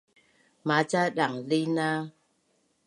Maca dangzina